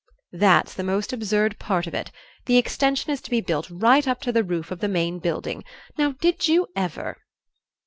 "That's the most absurd part of it. The extension is to be built right up to the roof of the main building; now, did you ever?"